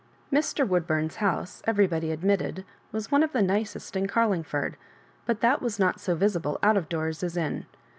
M&. Woodbubn's house, everybody admitted, was one of the nicest in Carlingfoid ; but that was not so visible out of doors as in.